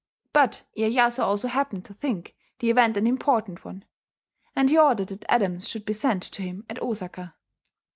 But Iyeyasu also happened to think the event an important one; and he ordered that Adams should be sent to him at Osaka.